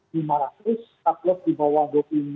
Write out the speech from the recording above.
card loss di bawah dua puluh lima ribu enam ratus